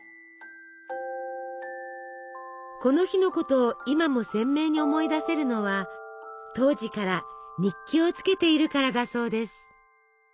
この日のことを今も鮮明に思い出せるのは当時から日記をつけているからだそうです。